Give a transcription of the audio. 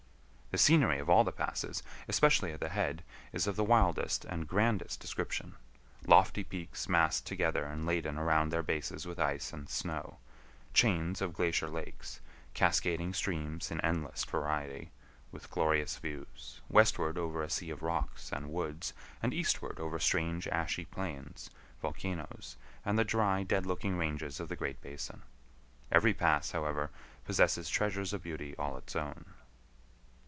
The scenery of all the passes, especially at the head, is of the wildest and grandest description,—lofty peaks massed together and laden around their bases with ice and snow; chains of glacier lakes; cascading streams in endless variety, with glorious views, westward over a sea of rocks and woods, and eastward over strange ashy plains, volcanoes, and the dry, dead looking ranges of the Great Basin. Every pass, however, possesses treasures of beauty all its own.